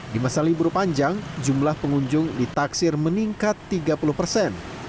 di masa libur panjang jumlah pengunjung ditaksir meningkat tiga puluh persen